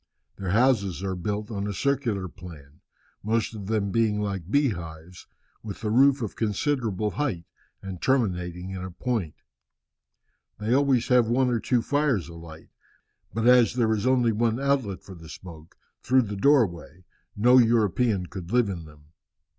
Their houses are built on a circular plan, most of them being like bee hives, with the roof of considerable height, and terminating in a point. They always have one or two fires alight, but as there is only one outlet for the smoke, through the doorway, no European could live in them.